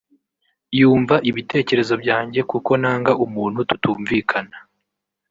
yumva ibitekerezo byanjye kuko nanga umuntu tutumvikana